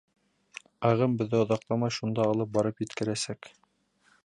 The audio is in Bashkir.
Ағым беҙҙе оҙаҡламай шунда алып барып еткерәсәк.